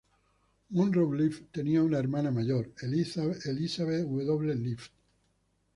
Monroe Leaf tenía una hermana mayor, Elizabeth W. Leaf.